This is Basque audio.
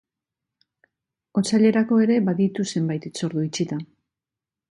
Otsailerako ere baditu zenbait hitzordu itxita.